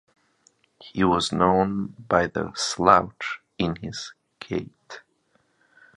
He was known by the slouch in his gait.